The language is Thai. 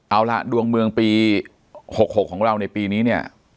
เอาล่ะดวงเมืองปี๖๖ของเราในปีนี้เนี่ย